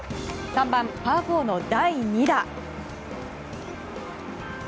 ３番パー４の第２打。